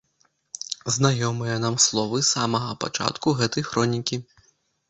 Знаёмыя нам словы з самага пачатку гэтай хронікі!